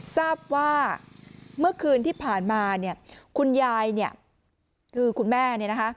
ทราบว่าเมื่อคืนที่ผ่านมาคุณยายคือคุณแม่